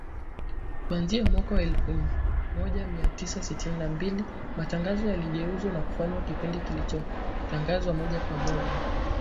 Kuanzia mwaka wa elfu moja mia tisa sitini na mbili, matangazo yaligeuzwa na kufanywa kipindi kilichotangazwa moja kwa moja.